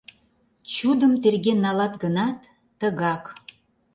Чудым терген налат гынат — тыгак.